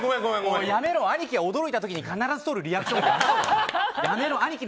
やめろ、兄貴が驚いた時に必ずとるリアクション。